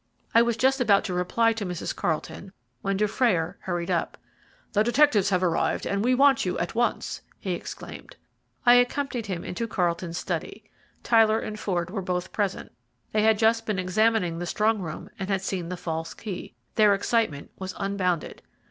I was just about to reply to Mrs. Carlton when Dufrayer hurried up. "The detectives have arrived, and we want you at once," he exclaimed. I accompanied him into Carlton's study. Tyler and Ford were both present. They had just been examining the strong room, and had seen the false key. Their excitement was unbounded.